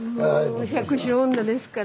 もう百姓女ですから。